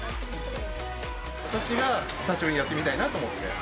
私が久しぶりにやってみたいなと思って。